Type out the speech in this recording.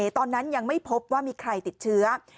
ตอนนั้นยังไม่พบว่ามีใครติดเชื้อ